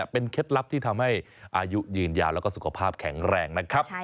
เป็นเคล็ดลับที่ทำให้อายุยืนยาวแล้วก็สุขภาพแข็งแรงนะครับ